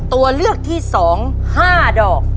ตัวเลือกที่๒๕ดอก